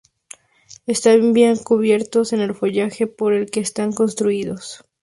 Están bien cubiertos en el follaje por el que están construidos.